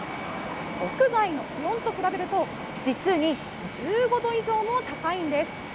屋外の気温と比べると、実に１５度以上も高いんです。